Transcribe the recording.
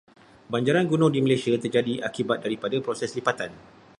Banjaran gunung di Malaysia terjadi akibat daripada proses lipatan.